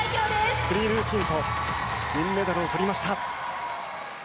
フリールーティンと銀メダルを取りました。